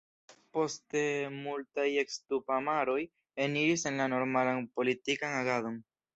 Poste multaj eks-tupamaroj eniris en la normalan politikan agadon.